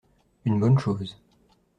Une bonne chose.